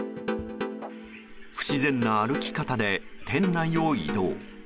不自然な歩き方で店内を移動。